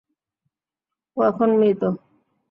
ও এখন মৃত।